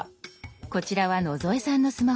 こちらは野添さんのスマホ。